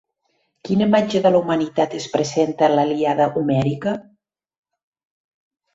Quina imatge de la humanitat es presenta en la Ilíada homèrica?